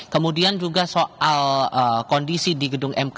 kemudian juga soal kondisi di gedung mk